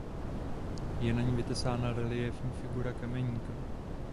Je na ní vytesána reliéfní figura kameníka.